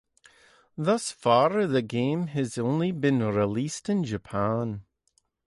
Thus far, the game has only been released in Japan.